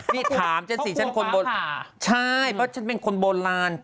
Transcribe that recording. นี่ถามจะสิใช่เพราะฉันเป็นคนโบราณ